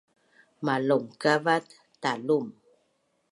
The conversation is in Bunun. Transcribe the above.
Malaungkavat Talum